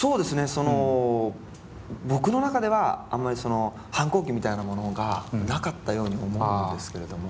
その僕の中ではあんまり反抗期みたいなものがなかったように思うんですけれども。